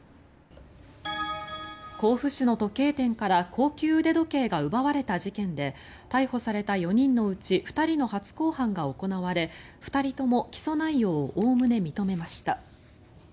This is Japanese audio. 甲府市の時計店から高級腕時計が奪われた事件で逮捕された４人のうち２人の初公判が行われ２人とも起訴内容をおおむね認めました。